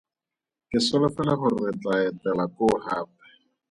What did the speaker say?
Ke solofela gore re tlaa etela koo gape.